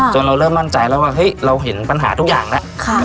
เราเริ่มมั่นใจแล้วว่าเฮ้ยเราเห็นปัญหาทุกอย่างแล้ว